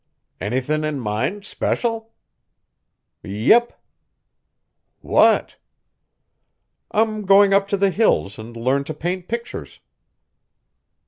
"Anythin' in mind, special?" "Yep." "What?" "I'm going up to the Hills and learn to paint pictures!"